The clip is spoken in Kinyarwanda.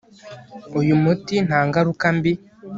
uyu muti nta ngaruka mbi